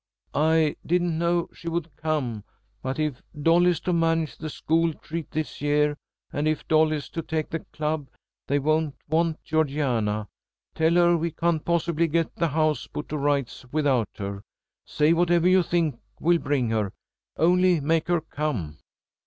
"I didn't know she would come, but if Dolly's to manage the school treat this year, and if Dolly's to take the club, they won't want Georgiana. Tell her we can't possibly get the house put to rights without her. Say whatever you think will bring her. Only make her come."